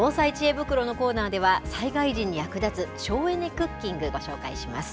袋のコーナーでは災害時に役立つ省エネクッキングご紹介します。